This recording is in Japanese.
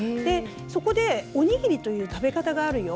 そこで、おにぎりという食べ方があるよ。